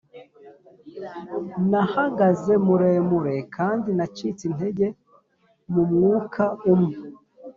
nahagaze muremure kandi nacitse intege mu mwuka umwe